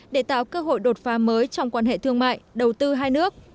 để tạo cơ hội đột phá mới trong quan hệ thương mại đầu tư hai nước